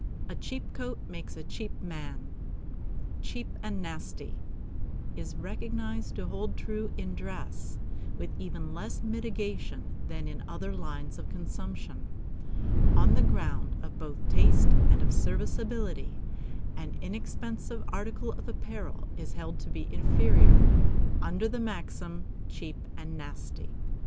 "A cheap coat makes a cheap man." "Cheap and nasty" is recognized to hold true in dress with even less mitigation than in other lines of consumption. On the ground both of taste and of serviceability, an inexpensive article of apparel is held to be inferior, under the maxim "cheap and nasty."